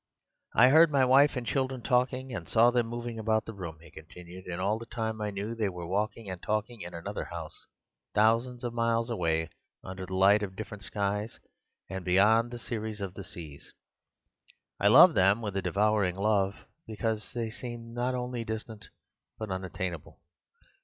"'I heard my wife and children talking and saw them moving about the room,' he continued, 'and all the time I knew they were walking and talking in another house thousands of miles away, under the light of different skies, and beyond the series of the seas. I loved them with a devouring love, because they seemed not only distant but unattainable.